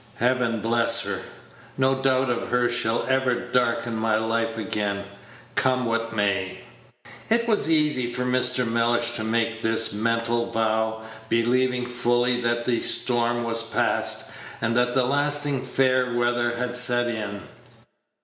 Heaven bless her! no doubt of her shall ever darken my life again, come what may." It was easy for Mr. Mellish to make this mental vow, believing fully that the storm was past, and that lasting fair weather had set in.